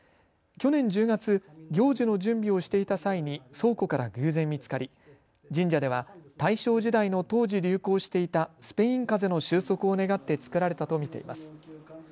去年１０月、行事の準備をしていた際に倉庫から偶然見つかり神社では大正時代の当時、流行していたスペインかぜの収束を願って作られたと見ています。